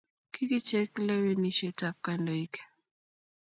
kikichek lewenisheb ab kandoik